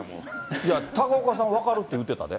いや、高岡さん、分かるって言うてたで。